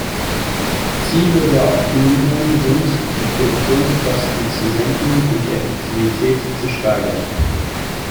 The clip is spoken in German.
Ziele der Optimierung sind, die Produktionskosten zu senken und die Effektivität zu steigern.